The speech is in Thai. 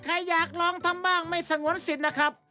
ใครอยากลองทำบ้างไม่สงวนสิทธิ์นะครับ